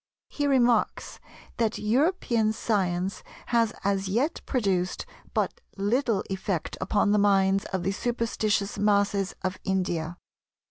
He remarks that "European science has as yet produced but little effect upon the minds of the superstitious masses of India.